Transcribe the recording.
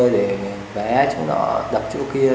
để vẽ chỗ nọ đập chỗ kia